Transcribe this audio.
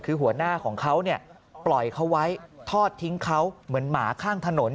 คือหัวหน้าของเขาปล่อยเขาไว้ทอดทิ้งเขาเหมือนหมาข้างถนน